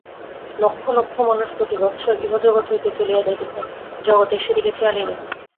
লক্ষ লক্ষ মানুষ প্রতিবৎসর ইহজগৎ হইতে চলিয়া যাইতেছে, জগতের সেদিকে খেয়ালই নাই।